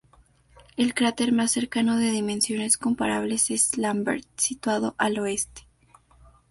El cráter más cercano de dimensiones comparables es Lambert, situado al oeste.